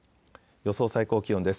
予想最高気温です。